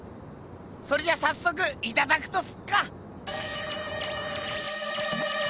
それじゃさっそくいただくとすっか。